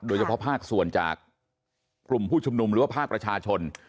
โดยเฉพาะภาคส่วนจากกลุ่มผู้ชุมนุมหรือว่าภาคประชาชน